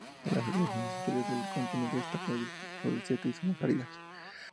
En las regiones interiores del continente destacan los desiertos y zonas áridas.